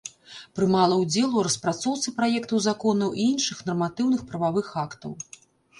Прымала ўдзел у распрацоўцы праектаў законаў і іншых нарматыўных прававых актаў.